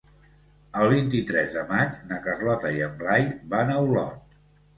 El vint-i-tres de maig na Carlota i en Blai van a Olot.